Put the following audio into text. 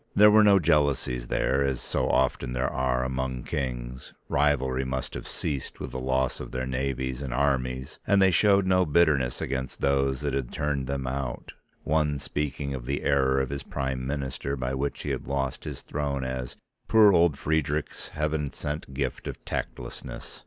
There were no jealousies there as so often there are among kings, rivalry must have ceased with the loss of their navies and armies, and they showed no bitterness against those that had turned them out, one speaking of the error of his Prime Minister by which he had lost his throne as "poor old Friedrich's Heaven sent gift of tactlessness."